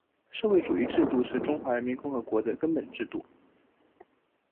社会主义制度是中华人民共和国的根本制度